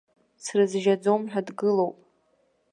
Срызжьаӡом ҳәа дгылоуп.